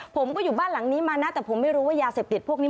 ผมก็อยู่บ้านหลังนี้มานะแต่ผมไม่รู้ว่ายาเสพติดพวกนี้